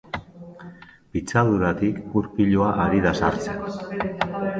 Pitzaduratik ur piloa ari da sartzen.